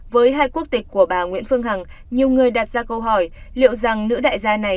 với hai quốc tịch của bà nguyễn phương hằng nhiều người đặt ra câu hỏi liệu rằng nữ đại gia này